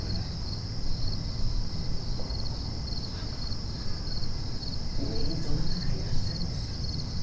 あの上にどなたかいらっしゃるんですか？